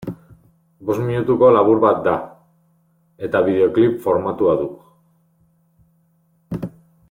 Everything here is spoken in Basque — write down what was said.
Bost minutuko labur bat da, eta bideoklip formatua du.